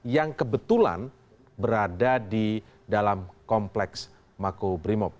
yang kebetulan berada di dalam kompleks mako brimob